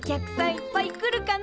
いっぱい来るかな。